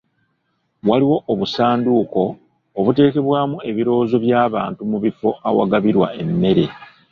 Waliwo obusanduuko obuteekebwamu ebirowoozo by'abantu mu bifo awagabirwa emmere.